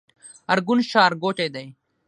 ارګون ښارګوټی دی؟